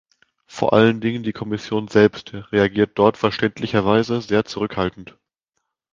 Vor allen Dingen die Kommission selbst reagiert dort verständlicherweise sehr zurückhaltend.